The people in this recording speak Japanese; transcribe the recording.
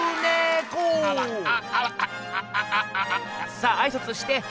さああいさつして！